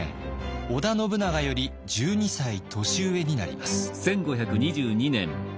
織田信長より１２歳年上になります。